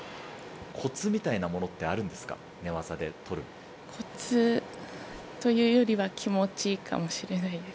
コツみたいなものってあるんコツというより気持ちかもしれないです。